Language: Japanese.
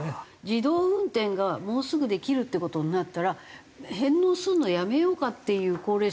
自動運転がもうすぐできるっていう事になったら返納するのやめようかっていう高齢者のほうが。